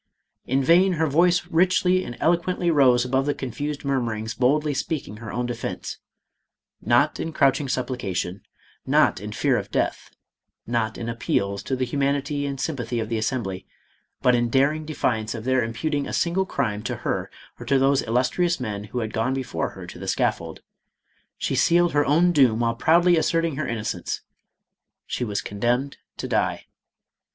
In vain her voice richly and eloquently rose above the confused murmurings boldly speaking her own defence — not in crouching supplication — not in fear of death — not in appeals to the humanity and sym pathy of the Assembly, but in daring defiance of their imputing a single crime to her or to those illustrious men who had gone before her to the scaffold. She sealed her own doom while proudly asserting her inno cence. She was condemned to die.